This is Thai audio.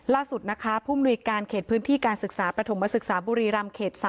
ล่าสุดนะคะผู้มนุยการเขตพื้นที่การศึกษาประถมศึกษาบุรีรำเขต๓